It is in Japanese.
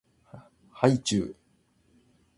はいちゅう